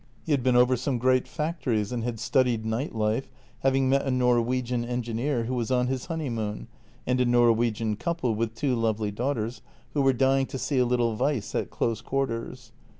He had been over some great factories and had studied night life, having met a Norwegian engineer who was on his honey moon and a Norwegian couple with two lovely daughters, who were dying to see a little vice at close quarters.